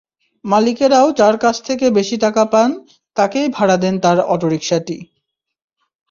মালিকেরাও যার কাছ থেকে বেশি টাকা পান, তাঁকেই ভাড়া দেন তাঁর অটোরিকশাটি।